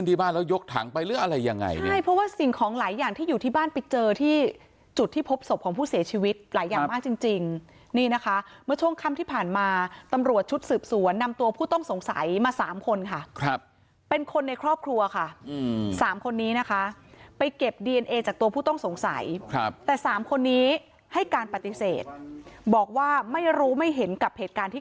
ในสภาพคว่างถังอยู่ในสภาพคว่างถังอยู่ในสภาพคว่างถังอยู่ในสภาพคว่างถังอยู่ในสภาพคว่างถังอยู่ในสภาพคว่างถังอยู่ในสภาพคว่างถังอยู่ในสภาพคว่างถังอยู่ในสภาพคว่างถังอยู่ในสภาพคว่างถังอยู่ในสภาพคว่างถังอยู่ในสภาพคว่างถังอยู่ในสภาพคว่างถังอยู่ในสภาพคว่างถั